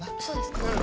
そうですか？